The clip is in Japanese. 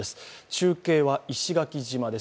中継は、石垣島です。